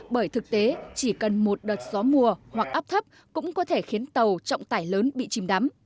bởi thực tế chỉ cần một đợt gió mùa hoặc áp thấp cũng có thể khiến tàu trọng tải lớn bị chìm đắm